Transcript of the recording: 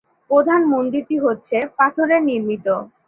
প্রধান মন্দিরটি হচ্ছে পাথরের নির্মিত।